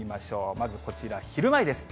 まずこちら、昼前です。